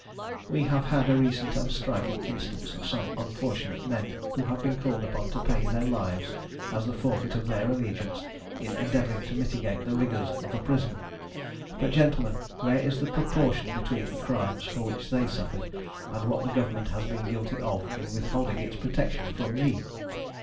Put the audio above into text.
"We have had a recent and striking instance of some unfortunate men who have been called upon to pay their lives as the forfeit of their allegiance, in endeavouring to mitigate the rigours of a prison. But, gentlemen, where is the proportion between the crimes for which they suffered, and what the Government has been guilty of, in withholding its protection from me?